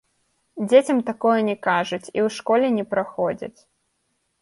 Дзецям такое не кажуць і ў школе не праходзяць.